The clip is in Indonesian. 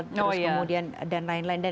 terus kemudian dan lain lain